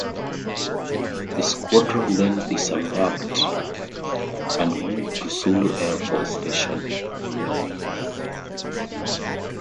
The squadron then disembarked and moved to Sulur Air Force Station.